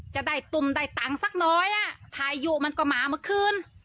จะได้ตุ่มได้ตังค์สักน้อยอ่ะพายุมันก็มาเมื่อคืน